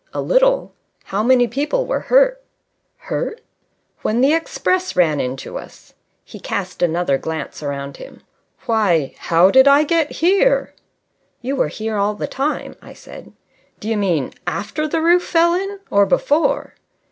"A little. How many people were hurt?" "Hurt?" "When the express ran into us." He cast another glance around him. "Why, how did I get here?" "You were here all the time," I said. "Do you mean after the roof fell in or before?"